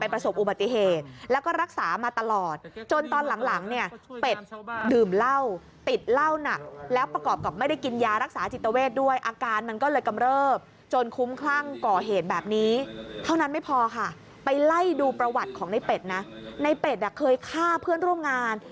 ประวัติของนายเป็ดนะนายเป็ดเคยฆ่าเพื่อนร่วมงาน